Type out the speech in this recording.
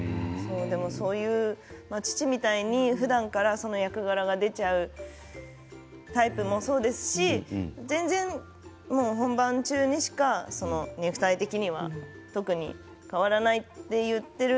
そういう、父みたいにそういう役柄が出ちゃうタイプもそうですし本番中にしか肉体的には特に変わらないと言っている。